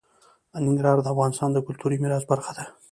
ننګرهار د افغانستان د کلتوري میراث برخه ده.